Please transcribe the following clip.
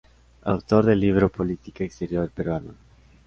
Autor del libro "Política Exterior Peruana.